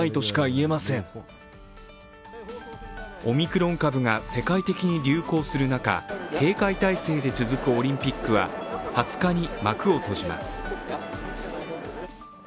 オミクロン株が世界的に流行する中、警戒態勢で続くオリンピックは２０日に幕を閉じます。